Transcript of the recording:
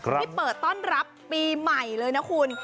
ที่เปิดต้อนรับปีใหม่เลยนะคุณ